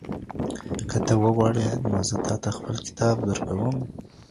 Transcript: که ته وغواړې نو زه تاته خپل کتاب درکوم.